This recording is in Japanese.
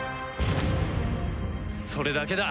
それだけだ！